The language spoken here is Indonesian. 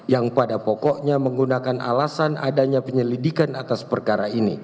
yang pada pokoknya menggunakan alasan adanya penyelidikan atas perkara ini